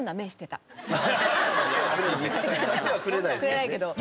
買ってはくれないですけどね。